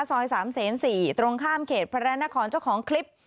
ซอย๓เสน๔ตรงข้ามเขตพระนครเจ้าของคลิป